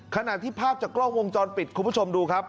ขณะที่ภาพจากกล้องวงจรปิดคุณผู้ชมดูครับ